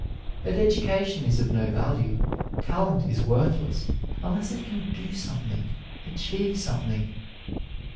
But education is of no value, talent is worthless, unless it can do something, achieve something.